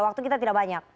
waktu kita tidak banyak